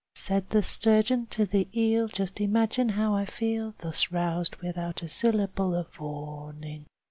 Said the sturgeon to the eel, "Just imagine how I feel, Thus roused without a syllable of warning.